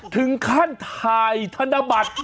ถึงขั้นถ่ายธนบัตร